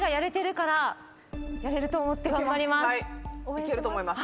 いけると思います。